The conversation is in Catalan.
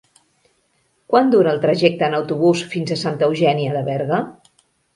Quant dura el trajecte en autobús fins a Santa Eugènia de Berga?